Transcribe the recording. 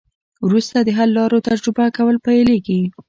وروسته د حل لارو تجربه کول پیلیږي.